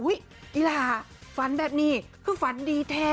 อีลาฝันแบบนี้คือฝันดีแท้